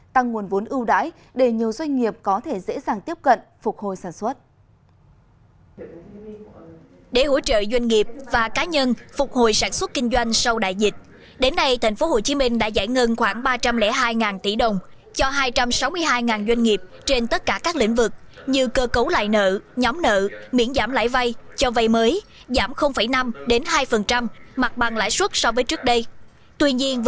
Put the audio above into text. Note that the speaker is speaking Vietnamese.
tăng nguồn vốn ưu đãi để nhiều doanh nghiệp có thể dễ dàng tiếp cận phục hồi sản xuất